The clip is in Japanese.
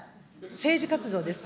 政治活動です。